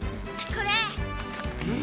これ。